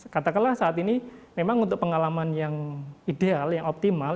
katakanlah saat ini memang untuk pengalaman yang ideal yang optimal